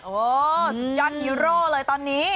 โอ้ยันฮีโร่เลยตอนนี้